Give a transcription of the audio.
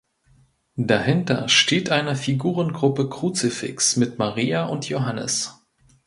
Dahinter steht eine Figurengruppe Kruzifix mit Maria und Johannes.